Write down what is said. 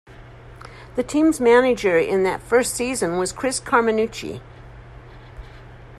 The team's manager in that first season was Chris Carminucci.